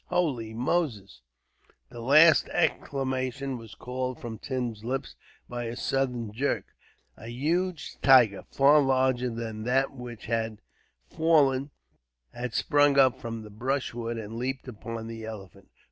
"Holy Moses!" The last exclamation was called from Tim's lips by a sudden jerk. A huge tiger, far larger than that which had fallen, had sprung up from the brushwood and leaped upon the elephant.